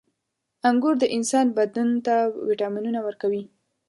• انګور د انسان بدن ته ویټامینونه ورکوي.